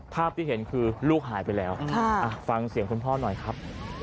ภาพที่เห็นคือลูกหายไปแล้วฟังเสียงคุณพ่อหน่อยครับ